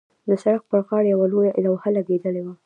د سړک پر غاړې یوه لوحه لګېدلې وه.